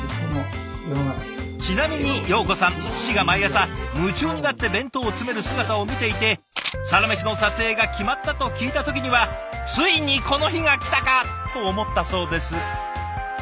ちなみに葉子さん父が毎朝夢中になって弁当を詰める姿を見ていて「サラメシ」の撮影が決まったと聞いた時には「ついにこの日が来たか」と思ったそうです。